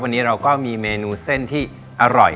วันนี้เราก็มีเมนูเส้นที่อร่อย